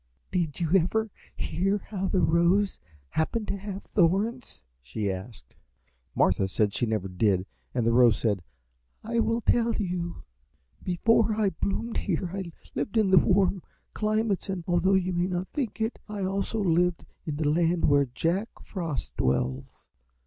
"Did you ever hear how the Rose happened to have thorns?" she asked. Martha said she never did, and the Rose said, "I will tell you." "Before I bloomed here I lived in the warm climates, and although you may not think it I also lived in the land where Jack Frost dwells.